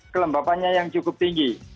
kelembabannya yang cukup tinggi